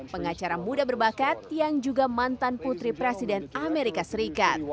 pengacara muda berbakat yang juga mantan putri presiden amerika serikat